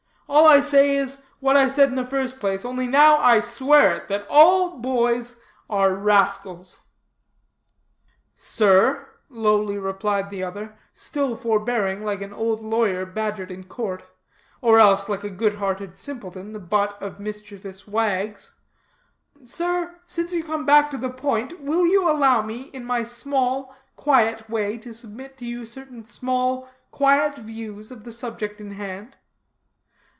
All I say is, what I said in the first place, only now I swear it, that all boys are rascals." "Sir," lowly replied the other, still forbearing like an old lawyer badgered in court, or else like a good hearted simpleton, the butt of mischievous wags, "Sir, since you come back to the point, will you allow me, in my small, quiet way, to submit to you certain small, quiet views of the subject in hand?"